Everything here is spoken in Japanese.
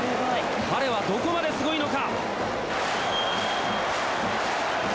彼はどこまですごいのか？